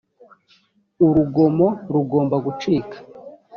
urugomo rugomba gucika